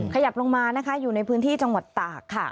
ขยับลงมาอยู่ในพื้นที่จังหวัดตาก